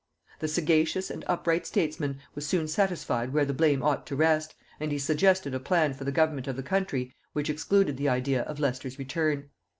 The sagacious and upright statesman was soon satisfied where the blame ought to rest, and he suggested a plan for the government of the country which excluded the idea of Leicester's return.